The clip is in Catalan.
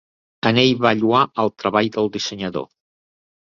En ell va lloar el treball del dissenyador.